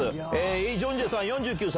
イ・ジョンジェさん４９歳。